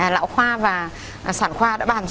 lão khoa và sản khoa đã bàn ra